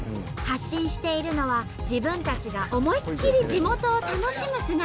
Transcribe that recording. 発信しているのは自分たちが思いっきり地元を楽しむ姿。